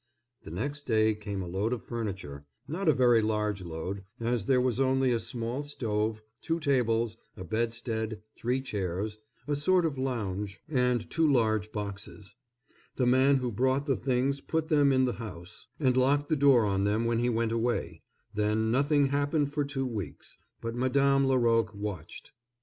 The next day came a load of furniture,—not a very large load, as there was only a small stove, two tables, a bedstead, three chairs, a sort of lounge, and two large boxes. The man who brought the things put them in the house, and locked the door on them when he went away; then nothing happened for two weeks, but Madame Laroque watched.